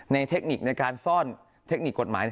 เทคนิคในการซ่อนเทคนิคกฎหมาย